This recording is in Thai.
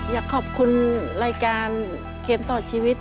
อยากขอบคุณรายการเกมต่อชีวิต